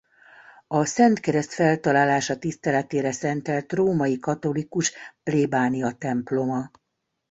A Szent Kereszt Feltalálása tiszteletére szentelt római katolikus plébániatemploma.